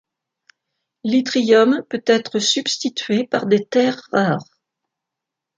L'yttrium peut être substitué par des terres rares.